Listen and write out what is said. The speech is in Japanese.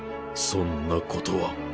そんなことは